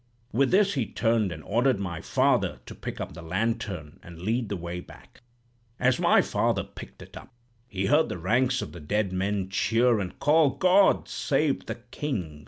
"With this he turned and ordered my father to pick up the lantern, and lead the way back. As my father picked it up, he heard the ranks of the dead men cheer and call, 'God save the King!'